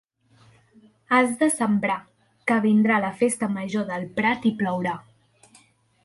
Has de sembrar, que vindrà la festa major del Prat i plourà.